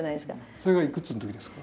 それがいくつのときですか？